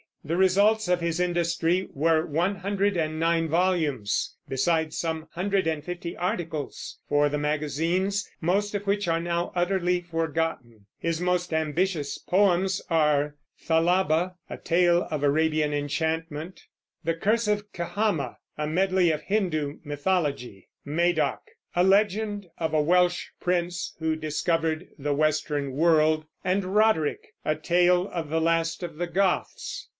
The results of his industry were one hundred and nine volumes, besides some hundred and fifty articles for the magazines, most of which are now utterly forgotten. His most ambitious poems are Thalaba, a tale of Arabian enchantment; The Curse of Kehama, a medley of Hindoo mythology; Madoc, a legend of a Welsh prince who discovered the western world; and Roderick, a tale of the last of the Goths.